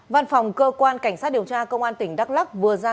văn phòng cơ quan cảnh sát điều tra công an tỉnh đắk lắc vừa ra